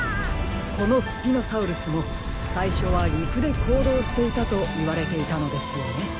このスピノサウルスもさいしょはりくでこうどうしていたといわれていたのですよね。